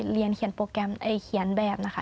เดี๋ยวคือนายไม่คิดแค่โฆษณานะคะ